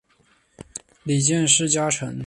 里见氏家臣。